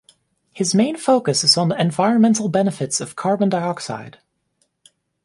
His main focus is on the environmental benefits of carbon dioxide.